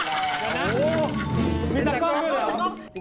มีตากล้องด้วยเหรอ